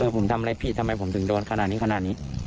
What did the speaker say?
ผมทำอะไรผิดทำไมผมถึงโดนขนาดนี้ขนาดนี้